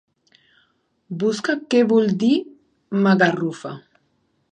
Busca què vol dir magarrufa.